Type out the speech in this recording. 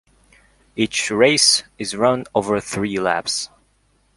Each race is run over three laps.